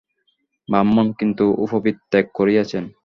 ব্রাহ্মণ, কিন্তু উপবীত ত্যাগ করিয়াছেন।